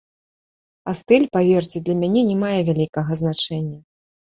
А стыль, паверце, для мяне не мае вялікага значэння.